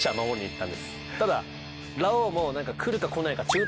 ただラオウも来るか来ないか。